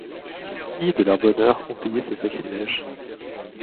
Qui, de leur bonheur, ont payé ce sacrilège